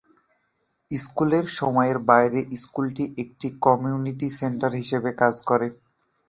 স্কুলের সময়ের বাইরে স্কুলটি একটি কমিউনিটি সেন্টার হিসেবে কাজ করে।